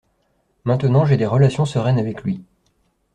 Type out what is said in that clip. Maintenant j’ai des relations sereines avec lui.